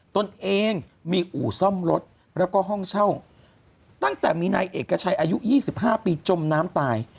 ตนเองมีอู่ซ่อมรถแล้วก็ห้องเช่าตั้งแต่มีนายเอกชัยอายุ๒๕ปีจมน้ำตาย